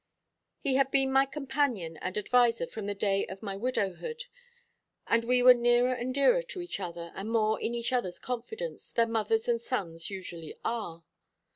He had been my companion and adviser from the day of my widowhood; and we were nearer and dearer to each other, and more in each other's confidence, than mothers and sons usually are.